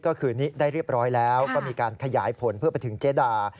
ก็คือนี้ได้เรียบร้อยแล้วก็มีการขยายผลเพื่อไปถึงเจดา